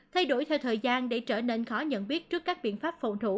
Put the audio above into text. thay đổi theo thời gian để trở nên khó nhận biết trước các biện pháp phòng thủ